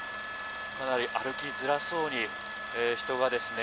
かなり歩きづらそうに人がですね